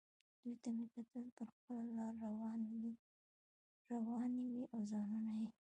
دوی ته مې کتل، پر خپله لار روانې وې او ځانونه یې.